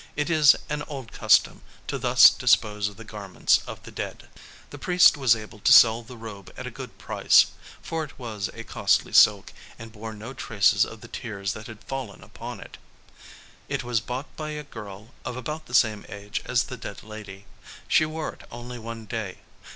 It is an old custom to thus dispose of the garments of the dead. The priest was able to sell the robe at a good price; for it was a costly silk, and bore no trace of the tears that had fallen upon it. It was bought by a girl of about the same age as the dead lady. She wore it only one day.